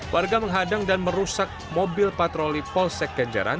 warga menghadang dan merusak mobil patroli polsek kenjaran